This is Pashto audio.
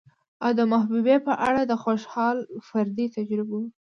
او د محبوبې په اړه د خوشال فردي تجربو